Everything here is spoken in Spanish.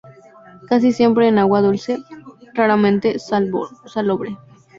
Casi siempre en agua dulce, raramente salobre.